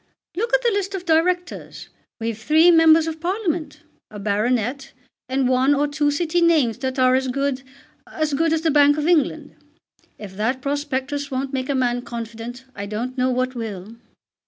"Look at the list of Directors. We've three members of Parliament, a baronet, and one or two City names that are as good as good as the Bank of England. If that prospectus won't make a man confident I don't know what will.